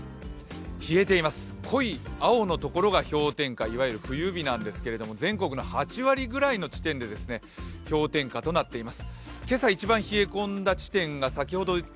冷えています、濃い青のところが氷点下、いわゆる冬日なんですけれども、全国の８割ぐらいの地点で氷点下となっています。